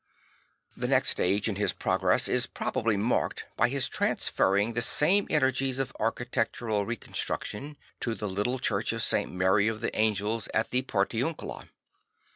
The next stage in his progress is probably marked by his transferring the same energies of architectural reconstruction to the little church of St. Mary of the Angels at the Portiun cula.